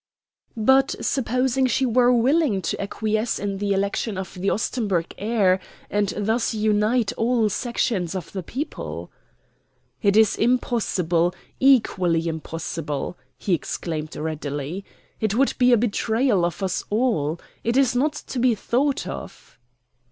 "But supposing she were willing to acquiesce in the election of the Ostenburg heir, and thus unite all sections of the people?" "It is impossible, equally impossible!" he exclaimed readily. "It would be a betrayal of us all. It is not to be thought of."